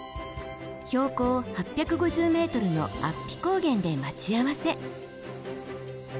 標高８５０ｍの安比高原で待ち合わせ。